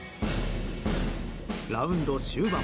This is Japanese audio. ラウンド終盤。